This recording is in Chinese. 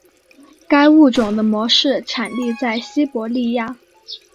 该物种的模式产地在西伯利亚。